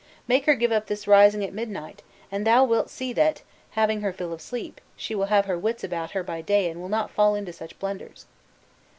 Make her give up this rising at midnight, and thou wilt see that, having her fill of sleep, she will have her wits about her by day and will not fall into such blunders."